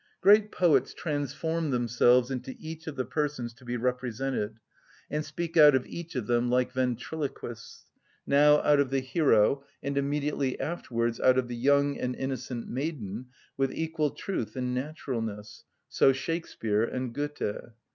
Great poets transform themselves into each of the persons to be represented, and speak out of each of them like ventriloquists; now out of the hero, and immediately afterwards out of the young and innocent maiden, with equal truth and naturalness: so Shakspeare and Goethe.